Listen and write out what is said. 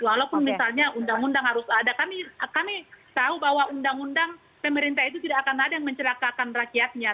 walaupun misalnya undang undang harus ada kami tahu bahwa undang undang pemerintah itu tidak akan ada yang mencerakakan rakyatnya